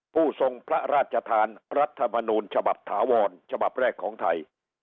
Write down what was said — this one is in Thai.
ผู้ทรงพระราชทานรัฐมนูญฉบับถาวรฉบับแรกของไทย